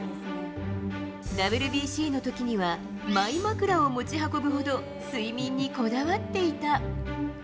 ＷＢＣのときには、マイ枕を持ち運ぶほど、睡眠にこだわっていた。